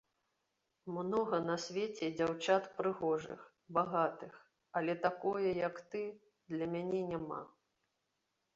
Многа на свеце дзяўчат прыгожых, багатых, але такое, як ты, для мяне няма.